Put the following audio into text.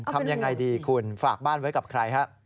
ทำยังไงดีคุณฝากบ้านไว้กับใครฮะ